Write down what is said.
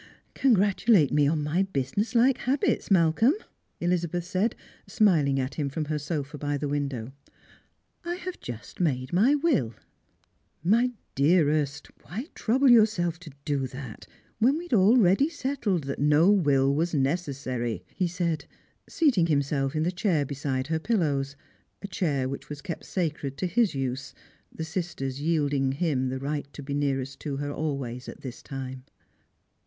" Congratulate me on my business like habits, IMalcolm," Elizabeth said, smiling at him from her sofa by the window ;" I have just made my will." " My dearest, why trouble yourself to do that when we had already settled that no will was necessary ?" he said, seating himself in the chair beside her pillows, a chair which was kept eacred to his use, the sisters yielding him the right to be iearesttoher always at this time.